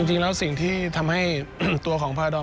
จริงแล้วสิ่งที่ทำให้ตัวของพาดอน